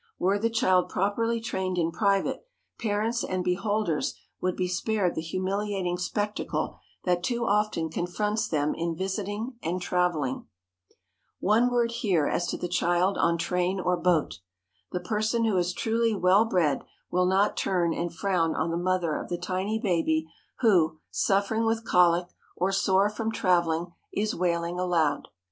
Were the child properly trained in private, parents and beholders would be spared the humiliating spectacle that too often confronts them in visiting and traveling. One word here as to the child on train or boat. The person who is truly well bred will not turn and frown on the mother of the tiny baby who, suffering with colic, or sore from traveling, is wailing aloud.